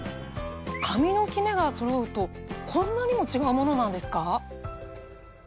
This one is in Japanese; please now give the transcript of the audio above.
髪のキメがそろうとこんなにも違うものなんですか？